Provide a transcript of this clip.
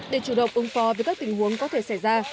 để chủ động ứng phó với các tình huống có thể xảy ra